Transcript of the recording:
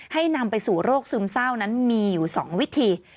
นำไปสู่โรคซึมเศร้านั้นมีอยู่๒วิธี